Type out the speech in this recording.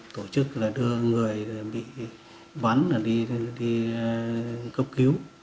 tổ chức đưa người bị bắn đi cấp cứu